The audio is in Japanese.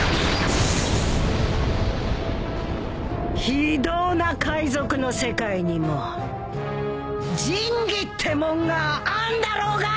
非道な海賊の世界にも仁義ってもんがあんだろうが！